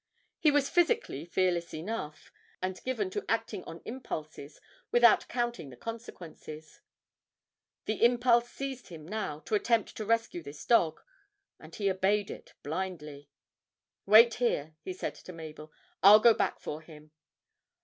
He was physically fearless enough, and given to acting on impulses without counting the consequences; the impulse seized him now to attempt to rescue this dog, and he obeyed it blindly. 'Wait here,' he said to Mabel; 'I'll go back for him.'